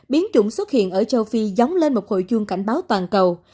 biến chủng xuất hiện ở châu phi giống lên một hội chuông cảnh báo toàn cầu